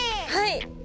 はい！